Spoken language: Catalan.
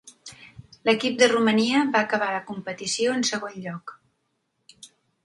L'equip de Romania va acabar la competició en segon lloc.